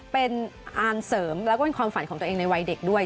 เป็นอันเสริมแล้วก็เป็นความฝันของตัวเองในวัยเด็กด้วย